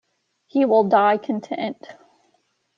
He will die content.